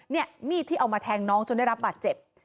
มีดที่เอามาแทงน้องจนได้รับบาดเจ็บ